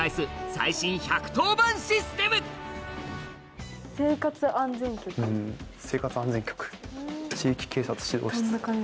最新１１０番システム地域警察指導室。